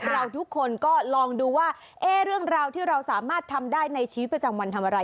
เราทุกคนก็ลองดูว่าเรื่องราวที่เราสามารถทำได้ในชีวิตประจำวันทำอะไร